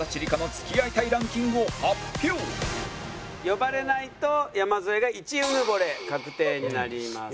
呼ばれないと山添が１うぬぼれ確定になります。